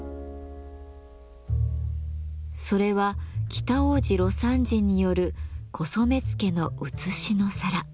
それは北大路魯山人による古染付のうつしの皿。